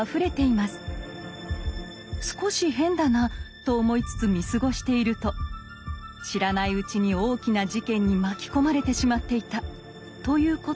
少し変だなと思いつつ見過ごしていると知らないうちに大きな事件に巻き込まれてしまっていたということも。